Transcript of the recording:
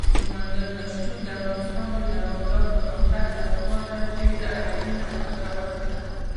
سمندر نه شتون د افغانستان د دوامداره پرمختګ لپاره ډېر اړین او ګټور دی.